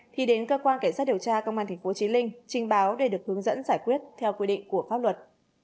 thì đến cơ quan cảnh sát điều tra công an thành phố trí linh trình báo để được hướng dẫn giải quyết theo quy định của pháp luật